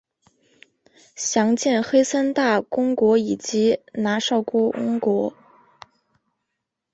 详见黑森大公国以及拿绍公国。